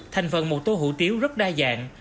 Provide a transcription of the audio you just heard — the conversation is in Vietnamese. thành phần một tô hủ tiếu rất đa dạng